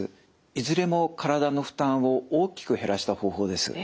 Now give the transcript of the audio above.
いずれも体の負担を大きく減らした方法です。